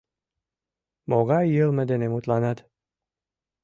— Могай йылме дене мутланат?